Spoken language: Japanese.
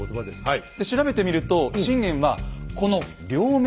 はい。